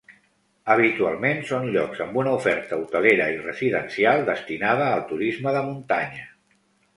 Habitualment són llocs amb una oferta hotelera i residencial destinada al turisme de muntanya.